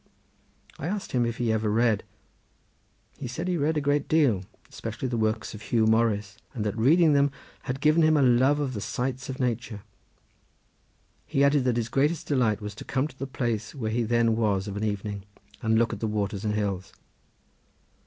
I asked him if he ever read. He said he read a great deal, especially the works of Huw Morris, and that reading them had given him a love for the sights of nature. He added that his greatest delight was to come to the place where he then was, of an evening, and look at the waters and hills.